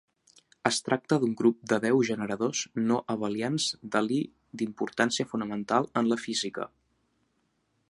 Es tracta d'un grup de deu generadors no abelians de Lie d'importància fonamental en la física.